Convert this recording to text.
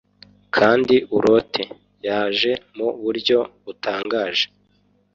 kandi urote. yaje mu buryo butangaje,